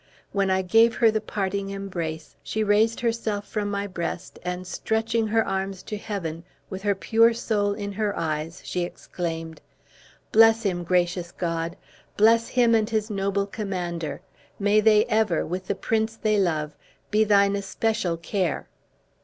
When I gave her the parting embrace, she raised herself from my breast, and stretching her arms to heave, with her pure soul in her eyes, she exclaimed, 'Bless him, gracious God; bless him, and his noble commander! may they ever, with the prince they love, be thine especial care!'